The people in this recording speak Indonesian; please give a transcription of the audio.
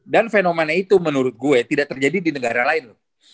dan fenomena itu menurut gue tidak terjadi di negara lain